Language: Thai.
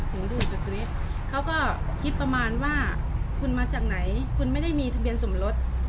หนูดูจุดตรงนี้เขาก็คิดประมาณว่าคุณมาจากไหนคุณไม่ได้มีทะเบียนสมรส